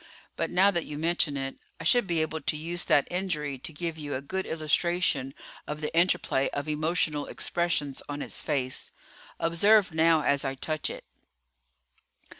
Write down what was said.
But now that you mention it, I should be able to use that injury to give you a good illustration of the interplay of emotional expressions on its face. Observe now as I touch it."